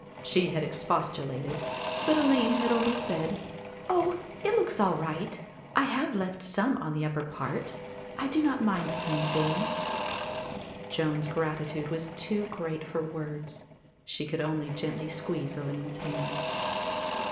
She had expostulated but Aline had only said, "Oh, it looks all right; I have left some on the upper part. I do not mind plain things." Joan's gratitude was too great for words; she could only gently squeeze Aline's hand.